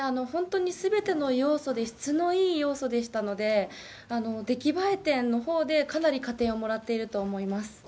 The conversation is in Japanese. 本当にすべての要素で質のいい要素でしたので、出来栄え点のほうでかなり加点をもらっていると思います。